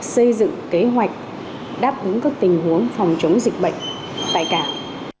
xây dựng kế hoạch đáp ứng các tình huống phòng chống dịch bệnh tại cảng